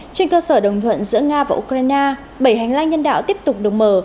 trên cơ sở đồng thuận giữa nga và ukraine bảy hành lang nhân đạo tiếp tục được mở